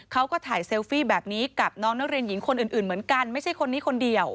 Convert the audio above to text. เขาก็ถ่ายเซลฟี่แบบนี้กับน้องนักเรียนหญิงคนอื่นเหมือนกันไม่ใช่คนนี้คนเดียว